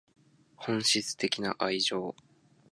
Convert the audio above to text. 本質的な愛情